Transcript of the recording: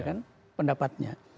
ya kan pendapatnya